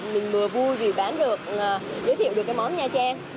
mình vừa vui vì giới thiệu được cái món nha trang